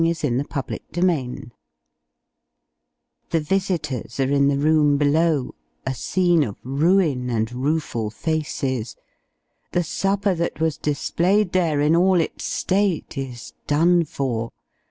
The visitors are in the room below a scene of ruin and rueful faces; the supper that was displayed there, in all its state, is done for.